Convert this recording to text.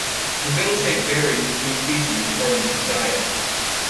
The bill shape varies between species, according to the diet.